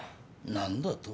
何だと？